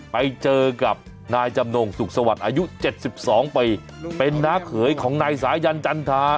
ไปเจอกับนายจำนงสุขสวรรค์อายุเจ็ดสิบสองไปเป็นน้าเขยของนายสายันจันทรา